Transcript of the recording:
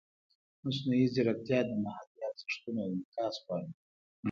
مصنوعي ځیرکتیا د محلي ارزښتونو انعکاس غواړي.